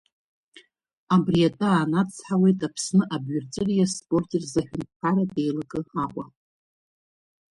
Абри атәы аанацҳауеит Аԥсны абҩарҵәыреи аспорти рзы Аҳәынҭқарратә еилакы Аҟәа.